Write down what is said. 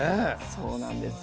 そうなんです。